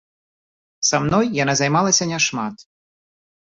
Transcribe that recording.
Са мной яна займалася не шмат.